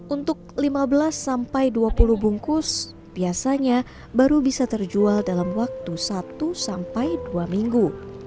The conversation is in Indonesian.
untuk lima belas sampai dua puluh bungkus biasanya baru bisa terjual dalam waktu satu sampai dua minggu